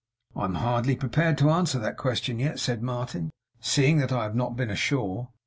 'I am hardly prepared to answer that question yet,' said Martin 'seeing that I have not been ashore.